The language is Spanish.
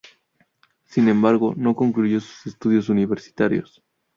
Sin embargo, no concluyó sus estudios universitarios.